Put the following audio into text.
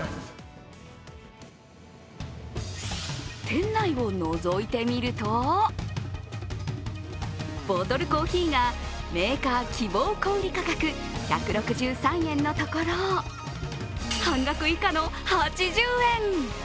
店内をのぞいてみるとボトルコーヒーがメーカー希望小売価格１６３円のところ半額以下の８０円。